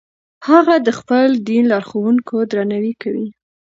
هغه د خپل دین لارښوونکو درناوی کوي.